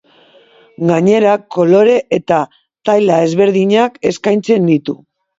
Gainera, kolore eta taila ezberdinak eskaintzen ditu.